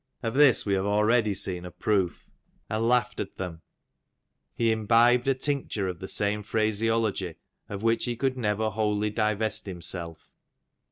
Of this we have ah'eady seen a proof and laughed at thetn, he imbibed a tincture of the same phraseology of which he eould never wholly divest himself.